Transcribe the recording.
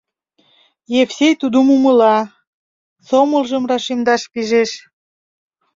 Евсей тудым умыла, сомылжым рашемдаш пижеш.